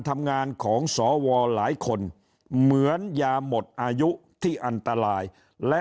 ทำงานของสวหลายคนเหมือนยาหมดอายุที่อันตรายและ